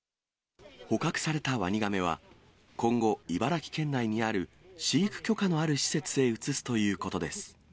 捕獲されたワニガメは、今後、茨城県内にある飼育許可のある施設へ移すということです。